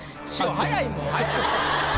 早いもん。